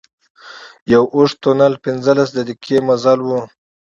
یو اوږد تونل پنځلس دقيقې مزل و.